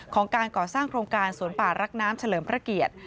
ของการก่อสร้างโครงการสวนป่ารักน้ำเฉลิมพระเกียรติ